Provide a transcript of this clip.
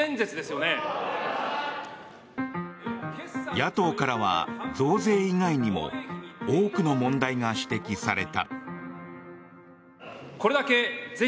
野党からは増税以外にも多くの問題が指摘された。